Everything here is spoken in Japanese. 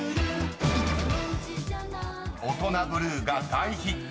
［『オトナブルー』が大ヒット］